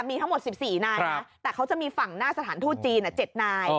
มีทั้งหมด๑๔นายนะแต่เขาจะมีฝั่งหน้าสถานทูตจีน๗นาย